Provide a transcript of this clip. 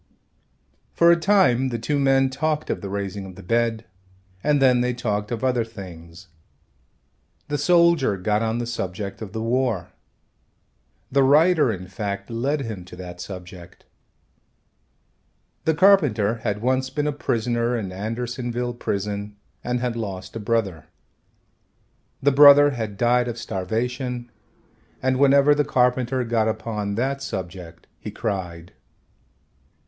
For a time the two men talked of the raising of the bed and then they talked of other things. The soldier got on the subject of the war. The writer, in fact, led him to that subject. The carpenter had once been a prisoner in Andersonville prison and had lost a brother. The brother had died of starvation, and whenever the carpenter got upon that subject he cried.